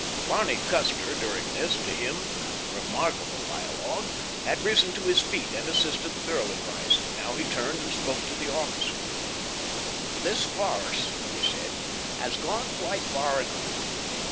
Barney Custer, during this, to him, remarkable dialogue, had risen to his feet, and assisted the girl in rising. Now he turned and spoke to the officer. "This farce," he said, "has gone quite far enough.